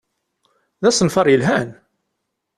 D asenfaṛ yelhan.